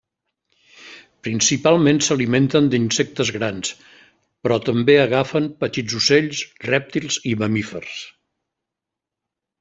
Principalment s'alimenten d'insectes grans, però també agafen petits ocells, rèptils i mamífers.